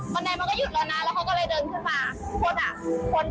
บรรไนมันก็หยุดละนะแล้วเขาก็เลยเดินขึ้นมา